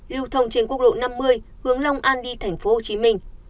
lưu thông trên quốc lộ năm mươi hướng long an đi tp hcm